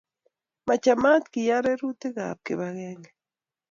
Machamat keyan rerutik ab kibagenge